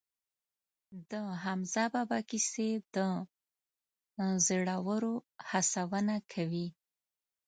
د حمزه بابا کیسې د زړورو هڅونه کوي.